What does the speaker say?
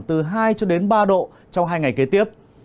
từ hai cho đến ba độ trong hai ngày kế tiếp